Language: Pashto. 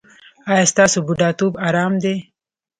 ایا ستاسو بوډاتوب ارام دی؟